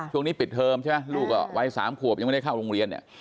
ช่วงนี้ปิดเทอมใช่ไหมลูกวัย๓ขวบยังไม่ได้เข้าโรงเรียนเนี่ย